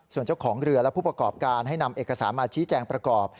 ส่วนเจ้าของเรือและผู้ประกอบการให้นำเอกสารมาชี้แจงประกอบ